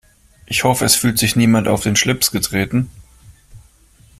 Ich hoffe, es fühlt sich niemand auf den Schlips getreten.